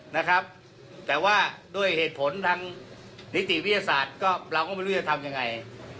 นะครับแต่ว่าด้วยเหตุผลทางนิติวิทยาศาสตร์ก็เราก็ไม่รู้จะทำยังไง